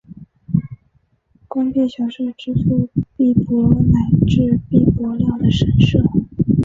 官币小社支付币帛乃至币帛料的神社。